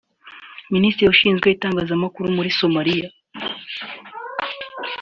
Minisitiri ushinzwe itangazamakuru muri Somaliya